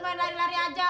main lari lari aja